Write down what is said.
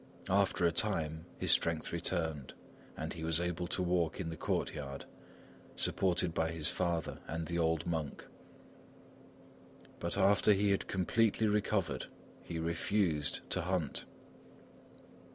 After a time, his strength returned, and he was able to take a walk in the courtyard, supported by his father and the old monk. But after he had completely recovered, he refused to hunt.